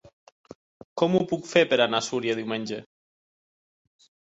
Com ho puc fer per anar a Súria diumenge?